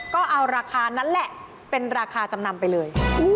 ก็เอาราคานั้นแหละเป็นราคาจำนำไปเลย